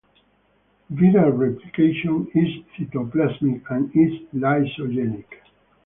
Viral replication is cytoplasmic, and is lysogenic.